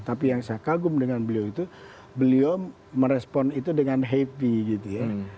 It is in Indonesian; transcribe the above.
tapi yang saya kagum dengan beliau itu beliau merespon itu dengan happy gitu ya